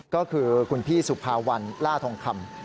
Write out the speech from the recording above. ก็คือคุณพี่สุภาวันล่าทองคำ